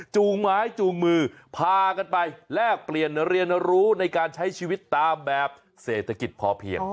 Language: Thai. จูงไม้จูงมือพากันไปแลกเปลี่ยนเรียนรู้ในการใช้ชีวิตตามแบบเศรษฐกิจพอเพียง